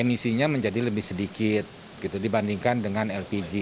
emisinya menjadi lebih sedikit dibandingkan dengan lpg